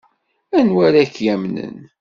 Anwa ara k-yamnen?